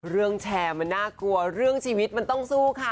เรื่องแชร์มันน่ากลัวเรื่องชีวิตมันต้องสู้ค่ะ